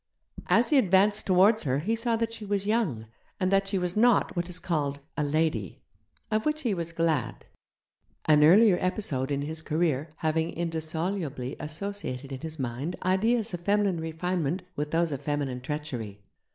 As he advanced towards her he saw that she was young, and that she was not what is called 'a lady' of which he was glad: an earlier episode in his career having indissolubly associated in his mind ideas of feminine refinement with those of feminine treachery.